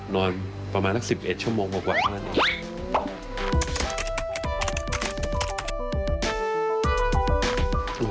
นอนประมาณสัก๑๑ชั่วโมงกว่าเท่านั้นเอง